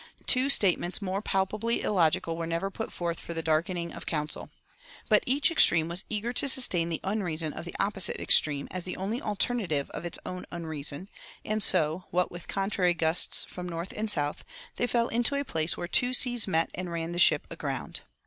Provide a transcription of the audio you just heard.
Two statements more palpably illogical were never put forth for the darkening of counsel. But each extreme was eager to sustain the unreason of the opposite extreme as the only alternative of its own unreason, and so, what with contrary gusts from North and South, they fell into a place where two seas met and ran the ship aground.